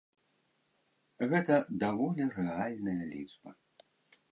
Гэта даволі рэальная лічба.